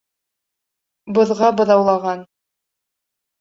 Боҙға быҙаулаған.